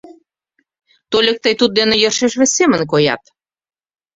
Тольык тый туддене йӧршеш вес семын коят.